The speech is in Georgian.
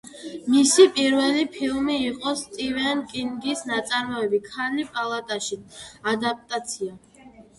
მისი პირველი ფილმი იყო სტივენ კინგის ნაწარმოების „ქალი პალატაში“ ადაპტაცია.